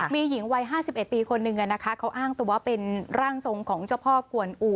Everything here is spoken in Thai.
มีหญิงวัย๕๑ปีคนหนึ่งเขาอ้างตัวเป็นร่างทรงของเจ้าพ่อกวนอู่